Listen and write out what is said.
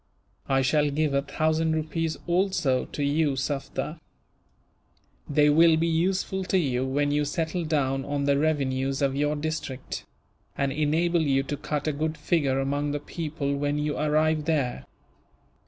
"I shall give a thousand rupees also to you, Sufder. They will be useful to you, when you settle down on the revenues of your district; and enable you to cut a good figure among the people when you arrive there."